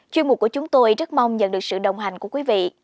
chuyên mục của chúng tôi rất mong nhận được sự đồng hành của quý vị